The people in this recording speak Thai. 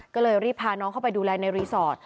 ก็เลยรีบพาน้องเข้าไปดูแลในรีสอร์ท